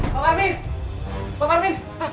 pak parmin pak parmin